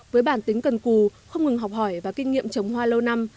với bản tính cần cù không ngừng học hỏi và kinh nghiệm trồng hoa lâu năm